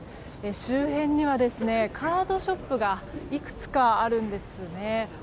周辺にはカードショップがいくつかあるんですね。